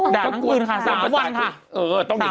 ด่าทั้งคืนค่ะ๓วันค่ะ